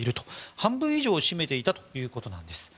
半分以上を占めていたということです。